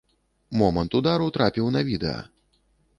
Момант удару трапіў на відэа.